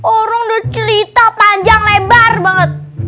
orang udah cerita panjang lebar banget